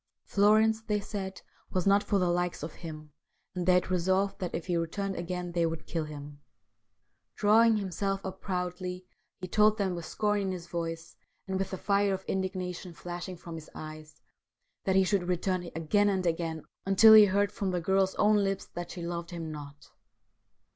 Florence, they said, was not for the likes of him, and they had resolved that if he returned again they would kill him. Drawing himself up proudly he told them with scorn in his voice, and with the fire of indignation flashing from his eyes, that he should return again and again until he heard from the girl's own lips that she loved him not.